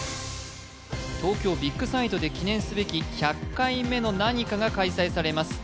東京ビッグサイトで記念すべき１００回目の何かが開催されます